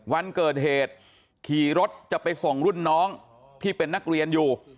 วันเกิดเหตุขี่รถจะไปส่งรุ่นน้องที่เป็นนักเรียนอยู่